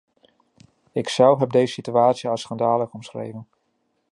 Ikzelf heb deze situatie als schandalig omschreven.